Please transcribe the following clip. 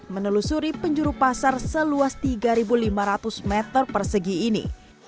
kita akan melusuri penjuru pasar seluas tiga lima ratus meter persegi ini